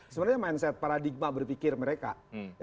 sebenarnya mindset paradigma berpikir mereka